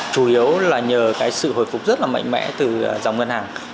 chủ yếu là nhờ cái sự hồi phục rất là mạnh mẽ từ dòng ngân hàng